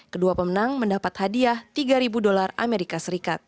kedua pemenang mendapat hadiah tiga ribu dolar amerika serikat